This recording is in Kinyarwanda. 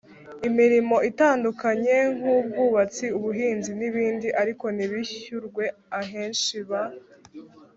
imirimo itandukanye nk ubwubatsi ubuhinzi n ibindi ariko ntibishyurwe Ahenshi ba